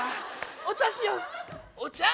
お茶しようお茶。